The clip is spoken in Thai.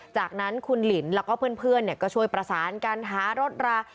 จากนั้นคุณหลินแล้วก็เพื่อนก็ช่วยประสานกันหารถรา